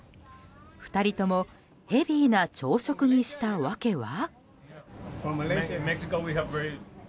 ２人ともヘビーな朝食にした訳は？